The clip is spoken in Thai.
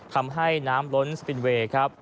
ทำให้น้ำล้นสปินเวย์ครับ